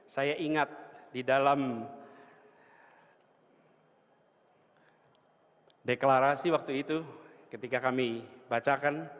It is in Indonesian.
saya ingat di dalam deklarasi waktu itu ketika kami bacakan